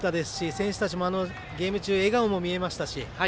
選手たちもゲーム中笑顔も見られましたし。